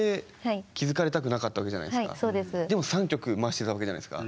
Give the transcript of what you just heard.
でも３曲回してたわけじゃないですか。